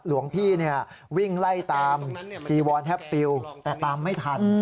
หลวงพี่วิ่งไล่ตามจีวอนแทบปิวแต่ตามไม่ทัน